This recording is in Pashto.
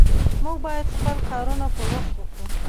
مونږ بايد خپل کارونه پر وخت وکړو